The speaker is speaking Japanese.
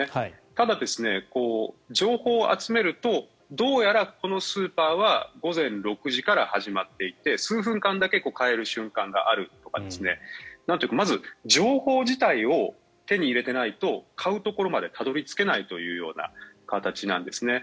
ただ、情報を集めるとどうやらこのスーパーは午前６時から始まっていて数分間だけ買える瞬間があるとかまず情報自体を手に入れていないと買うところまでたどり着けないという形なんですね。